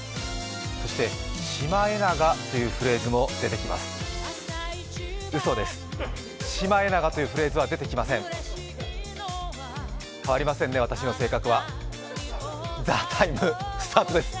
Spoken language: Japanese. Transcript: そして「シマエナガ」というフレーズも出てきます。